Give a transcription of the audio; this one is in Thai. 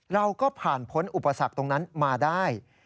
เราก็ผ่านพ้นอุปสรรคตรงนั้นมาได้